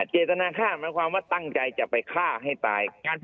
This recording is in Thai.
เจตนาฆ่าหมายความว่าตั้งใจจะไปฆ่าให้ตาย